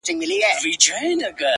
• د ماهر فنکار د لاس مجسمه وه,